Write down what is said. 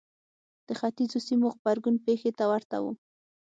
د ختیځو سیمو غبرګون پېښې ته ورته و.